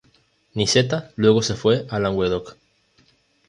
Nicetas luego se fue a Languedoc.